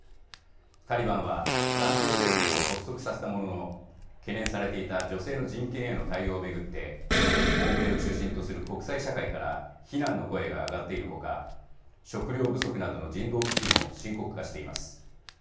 タリバンは暫定政権を発足させたものの懸念されていた女性の人権への対応を巡って欧米を中心とする国際社会から非難の声が上がっている他食料不足などの人道危機も深刻化しています。